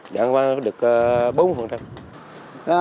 giảm được bốn phần thêm